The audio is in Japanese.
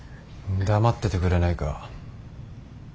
黙っててくれないか。